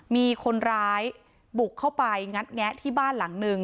มีคนร้ายบุกเข้าไปงัดแงะที่บ้านหลังนึง